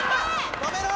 止めろ！